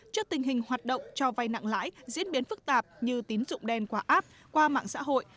trước tình hình hoạt động cho vay nặng lãi diễn biến phức tạp như tín dụng đen quả áp qua mạng xã hội